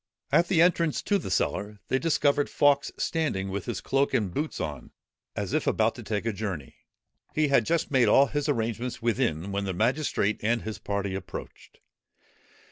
At the entrance to the cellar, they discovered Fawkes standing with his cloak and boots on, as if about to take a journey. He had just made all his arrangements within, when the magistrate and his party approached.